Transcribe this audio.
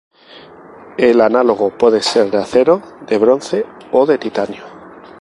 El análogo puede ser de acero, de bronce o de titanio.